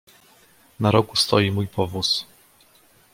"„Na rogu stoi mój powóz."